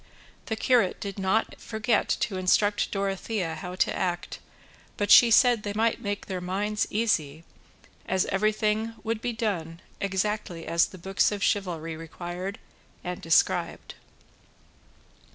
The curate did not forget to instruct Dorothea how to act, but she said they might make their minds easy, as everything would be done exactly as the books of chivalry required and described.